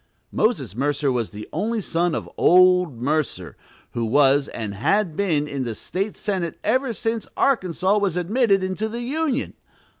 Moses Mercer was the only son of "old Mercer," who was, and had been, in the State Senate ever since Arkansas was admitted into the "Union."